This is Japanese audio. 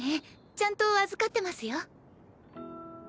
ちゃんと預かってますよ。